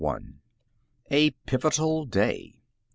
A PIVOTAL DAY.